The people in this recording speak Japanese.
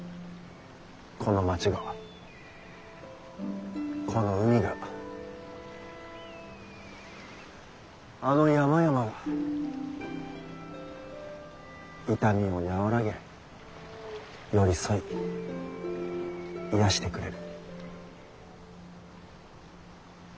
この町がこの海があの山々が痛みを和らげ寄り添い癒やしてくれる。